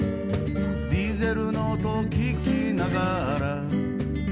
「ディーゼルの音を聞きながら」